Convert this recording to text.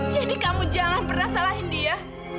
jadi kamu jangan pernah salahin dia